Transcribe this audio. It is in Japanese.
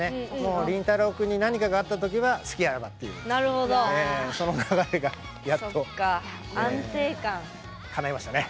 リンタロウ君に何かがあったときはすきあらばというその流れがやっとかないましたね。